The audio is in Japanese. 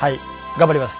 頑張ります。